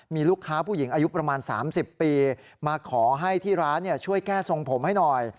มีลูกค้าผู้หญิงอายุประมาณ๓๐ปีมาขอให้ที่ร้านช่วยแก้ทรงผมให้หน่อย